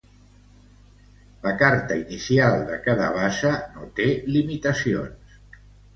La carta inicial de cada basa no té limitacions.